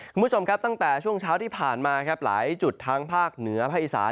คุณผู้ชมครับตั้งแต่ช่วงเช้าที่ผ่านมาครับหลายจุดทั้งภาคเหนือภาคอีสาน